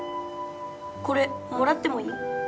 これもらってもいい？